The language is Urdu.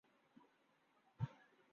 ان فلموں کی ریلیز میں تاخیر